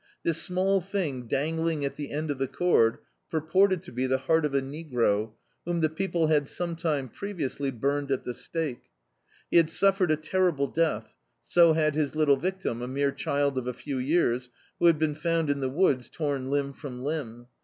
This small thing dangling at the end of the cord purported to be the heart of a negro, whom the people had some time previously bumed at the stake. He had suffered a terrible death: so had his little victim, a mere child of a few years, who had been found in the woods torn limb from limb.